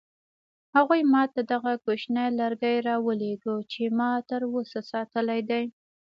هغوی ما ته دغه کوچنی لرګی راولېږه چې ما تر اوسه ساتلی دی.